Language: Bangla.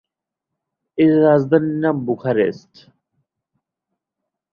এর রাজধানীর নাম বুখারেস্ট।